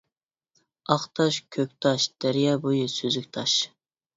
ئاق تاش، كۆك تاش، دەريا بويى سۈزۈك تاش.